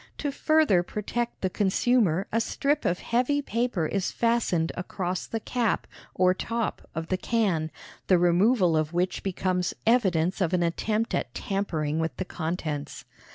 To further protect the consumer a strip of heavy paper is fastened across the cap, or top, of the can, the removal of which becomes evidence of an attempt at tampering with the contents.